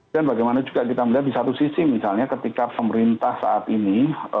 dan bagaimana juga kita melihat di satu sisi misalnya ketika pemerintah saat ini